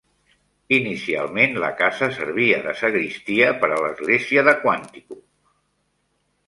Inicialment, la casa servia de sagristia per a la l'església de Quantico.